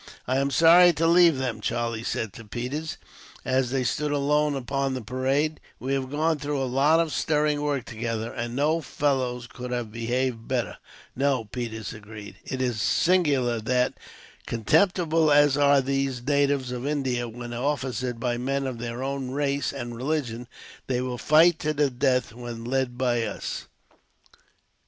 "I am sorry to leave them," Charlie said to Peters, as they stood alone upon the parade. "We have gone through a lot of stirring work together, and no fellows could have behaved better." "No," Peters agreed. "It is singular that, contemptible as are these natives of India when officered by men of their own race and religion, they will fight to the death when led by us."